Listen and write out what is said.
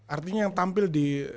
artinya yang tampil di